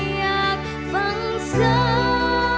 อยากฟังซ้ำ